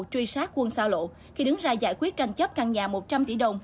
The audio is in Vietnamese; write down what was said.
truy sát quân giao lộ khi đứng ra giải quyết tranh chấp căn nhà một trăm linh tỷ đồng